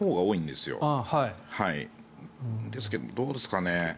ですけども、どうですかね。